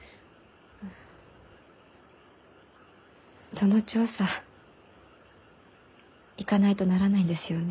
その調査行かないとならないんですよね？